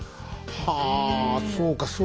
はあそうか。